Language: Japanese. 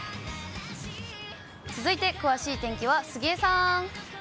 続いて詳しい天気は杉江さん。